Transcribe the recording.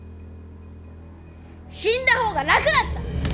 死んだ方が楽だった！